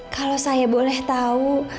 kalau saya boleh tahu